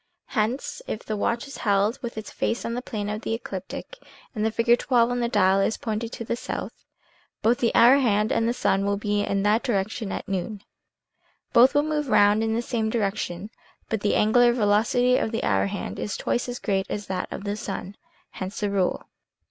Hence, if the watch is held with its face in the plane of the ecliptic, and the figure XII on the dial is pointed to the south, both the hour hand and the sun will be in that direction at noon. Both move round in the same direction, but the angular velocity of the hour hand is twice as great as that of the sun. Hence the rule.